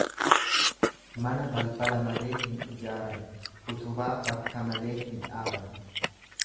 Mana balbala malee hin ijaaran utubaa bakka malee hin dhaaban.